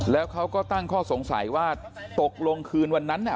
แล้วเขาก็ตั้งข้อสงสัยว่าตกลงคืนวันนั้นน่ะ